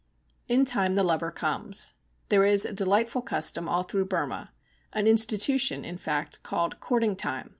In time the lover comes. There is a delightful custom all through Burma, an institution, in fact, called 'courting time.'